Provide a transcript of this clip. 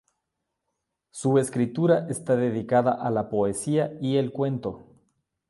Su escritura está dedicada a la poesía y el cuento.